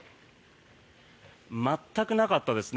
全くなかったですね。